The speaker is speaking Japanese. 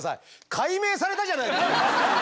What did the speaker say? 解明されたじゃないですか！